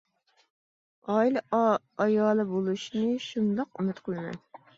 ئائىلە ئايالى بولۇشنى شۇنداق ئۈمىد قىلىمەن.